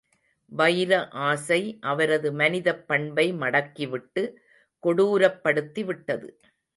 வைர ஆசை, அவரது மனிதப் பண்பை மடக்கிவிட்டு, கொடூரப்படுத்திவிட்டது.